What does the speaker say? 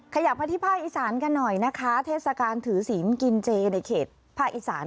ขยับมาที่ภาคอีสานกันหน่อยนะคะเทศกาลถือศีลกินเจในเขตภาคอีสาน